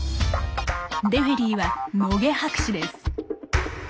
レフェリーは野下博士です。